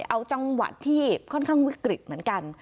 เอาจังหวัดที่ค่อนข้างวิกฤตเหมือนกัน